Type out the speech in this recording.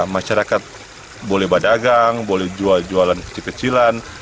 masyarakat boleh berdagang boleh jual jualan kecil kecilan